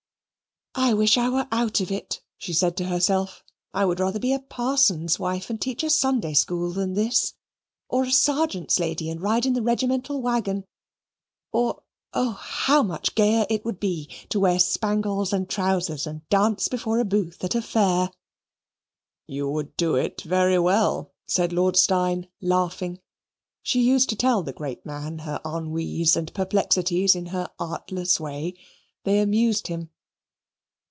"I wish I were out of it," she said to herself. "I would rather be a parson's wife and teach a Sunday school than this; or a sergeant's lady and ride in the regimental waggon; or, oh, how much gayer it would be to wear spangles and trousers and dance before a booth at a fair." "You would do it very well," said Lord Steyne, laughing. She used to tell the great man her ennuis and perplexities in her artless way they amused him.